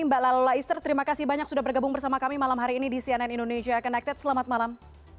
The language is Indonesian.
mbak lala ister terima kasih banyak sudah bergabung bersama kami malam hari ini di cnn indonesia connected selamat malam